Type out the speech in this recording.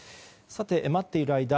待っている間